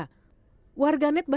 warga net bahkan membandingkan